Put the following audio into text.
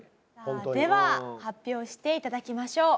では発表して頂きましょう。